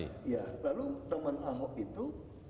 iya lalu teman ahok itu